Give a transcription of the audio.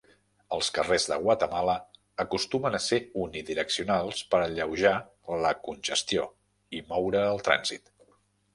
Els carrers de Guatemala acostumen a ser unidireccionals per alleujar la congestió i moure el trànsit.